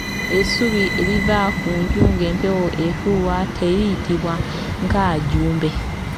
Essubi eriva ku nju ng'empewo efuuwa teriyitibwa nkaajumbe.